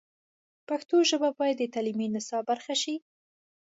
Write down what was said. پښتو ژبه باید د تعلیمي نصاب برخه شي.